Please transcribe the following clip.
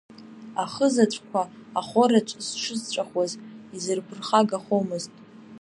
Ахызаҵәқәа ахораҿ зҽызҵәахуаз изырԥырхагахомызт.